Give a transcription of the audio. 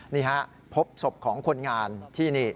นี่ฮะพบศพของคนงานที่นี่